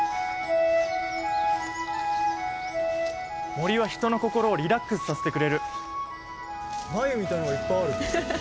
森はヒトの心をリラックスさせてくれる繭みたいのがいっぱいある！